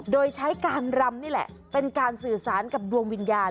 โดยใช้การรำนี่แหละเป็นการสื่อสารกับดวงวิญญาณ